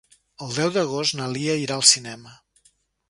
El deu d'agost na Lia irà al cinema.